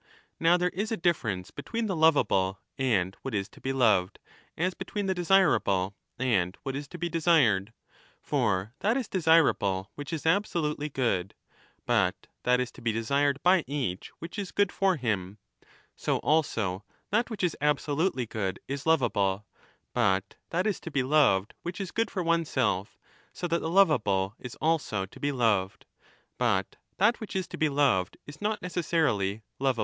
Now there is a difference between the lovable and what is to be loved, as between the desirable and what is to be desired. For that is desir able which is absolutely good, but that is to be desired 1209^ by each which is good for him ; so also that which is absolutely good is lovable, but that is to be loved which is good for oneself, so that the lovable is also to be loved, but that which is to be loved is not necessarily lovable.